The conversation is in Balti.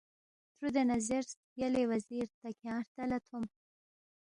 ترُودے نہ زیرس، یلے وزیر تا کھیان٘ی ہرتا لہ تھوم